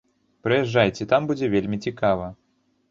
Прыязджайце, там будзе вельмі цікава!